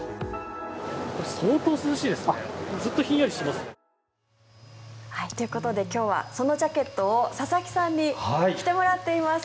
これ、相当涼しいですねずっとひんやりしてますね。ということで今日はそのジャケットを佐々木さんに着てもらっています。